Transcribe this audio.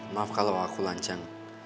maaf kalau aku lancang